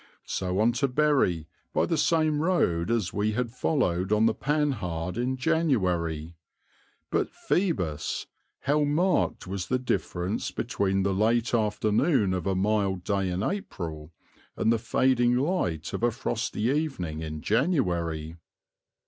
So on to Bury by the same road as we had followed on the Panhard in January; but Phoebus! how marked was the difference between the late afternoon of a mild day in April and the fading light of a frosty evening in January!